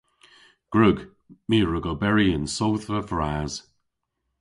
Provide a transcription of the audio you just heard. Gwrug. My a wrug oberi yn sodhva vras.